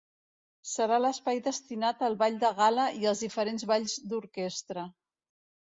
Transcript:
Serà l'espai destinat al ball de gala i als diferents balls d'orquestra.